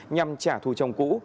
nhằm trả thù chồng cũ